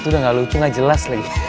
itu udah gak lucu gak jelas lagi